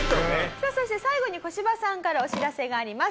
さあ最後に小芝さんからお知らせがあります。